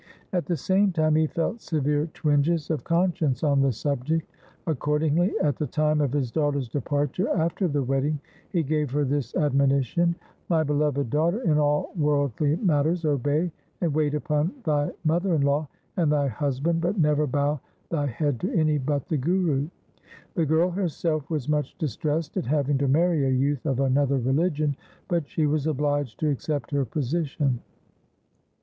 At the same time he felt severe twinges of con science on the subject. Accordingly, at the time of his daughter's departure after the wedding he gave her this admonition —' My beloved daughter, in all worldly matters obey and wait upon thy mother in law and thy husband, but never bow thy head to any but the Guru.' The girl herself was much distressed at having to marry a youth of another religion, but she was obliged to accept her position.